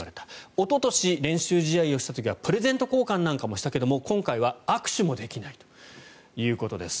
おととし、練習試合をした時にはプレゼント交換なんかもしたけれども今回は握手もできないということです。